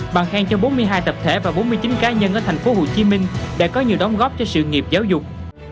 bằng khen cho bốn mươi hai tập thể và bốn mươi chín cá nhân ở tp hcm đã có nhiều đóng góp cho sự nghiệp giáo dục